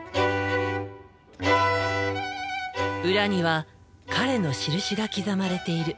裏には彼の印が刻まれている。